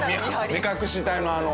目隠し隊のあの。